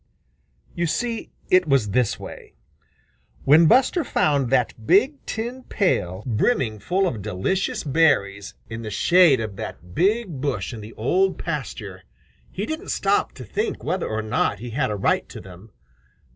You see it was this way: When Buster found that big tin pail brimming full of delicious berries in the shade of that big bush in the Old Pasture, he didn't stop to think whether or not he had a right to them.